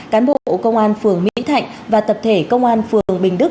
cán bộ công an phường mỹ thạnh và tập thể công an phường bình đức